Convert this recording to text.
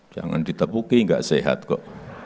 jangan ditepuki nggak sehat kok